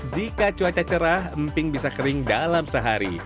jika cuaca cerah emping bisa kering dalam sehari